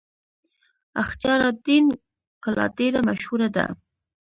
اختیار الدین کلا ډیره مشهوره ده